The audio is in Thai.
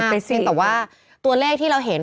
แต่ว่าตัวเลขที่เราเห็น